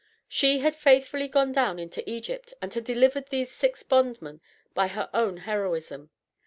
She had faithfully gone down into Egypt, and had delivered these six bondmen by her own heroism.